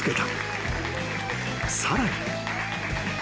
［さらに］